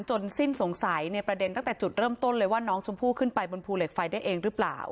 สิ้นสงสัยในประเด็นตั้งแต่จุดเริ่มต้นเลยว่าน้องชมพู่ขึ้นไปบนภูเหล็กไฟได้เองหรือเปล่า